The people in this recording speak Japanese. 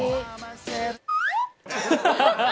ハハハハハ！